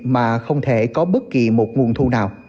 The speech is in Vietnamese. mà không thể có bất kỳ một nguồn thu nào